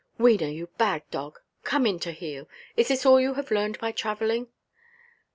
"Wena, you bad dog, come in to heel. Is this all you have learned by travelling?"